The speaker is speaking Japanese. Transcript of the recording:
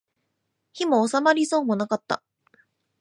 火も納まりそうもなかった